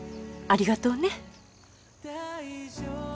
ありがとう。